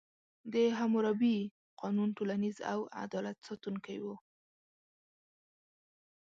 د حموربي قانون ټولنیز او عدالت ساتونکی و.